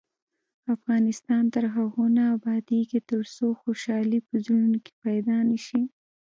افغانستان تر هغو نه ابادیږي، ترڅو خوشحالي په زړونو کې پیدا نشي.